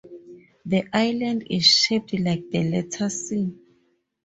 The island is shaped like the letter 'C'.